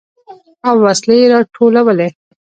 او وسلې يې راټولولې.